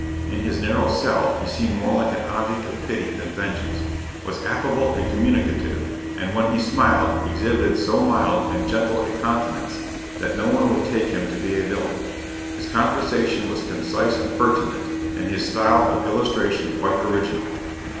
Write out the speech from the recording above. In his narrow cell, he seemed more like an object of pity than vengeance was affable and communicative, and when he smiled, exhibited so mild and gentle a countenance, that no one would take him to be a villain. His conversation was concise and pertinent, and his style of illustration quite original.